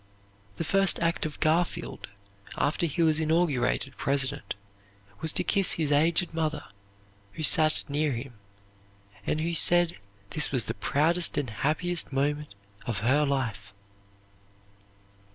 The first act of Garfield, after he was inaugurated President, was to kiss his aged mother, who sat near him, and who said this was the proudest and happiest moment of her life.